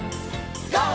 ＧＯ！